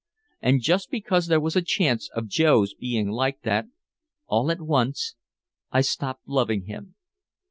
And just because there was a chance of Joe's being like that, all at once I stopped loving him.